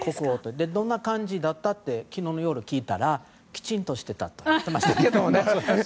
で、どんな感じだった？って昨日の夜、聞いたらきちんとしていたと言ってましたけどね。